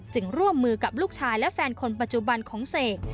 ร่วมมือกับลูกชายและแฟนคนปัจจุบันของเสก